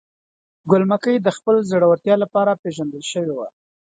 ګل مکۍ د خپل زړورتیا لپاره پیژندل شوې وه.